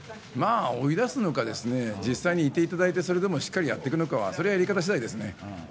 追い出すのか、実際にいていただいて、しっかりやっていくのかっていうのは、やり方しだいですね。